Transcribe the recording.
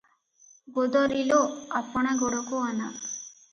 ଗୋଦରୀ ଲୋ ଆପଣା ଗୋଡ଼କୁ ଅନା ।